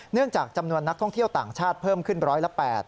จากจำนวนนักท่องเที่ยวต่างชาติเพิ่มขึ้นร้อยละ๘